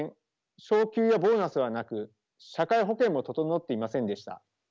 昇給やボーナスはなく社会保険も整っていませんでした。